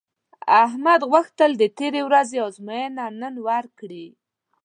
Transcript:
احمد غوښتل د تېرې ورځې ازموینه نن ورکړي